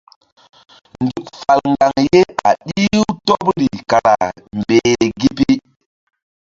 Nzuk fal ŋgaŋ ye a ɗih-u tɔɓri kara mbehle gi pi.